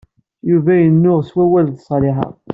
Yuba yennuɣ s wawal d Ṣaliḥa.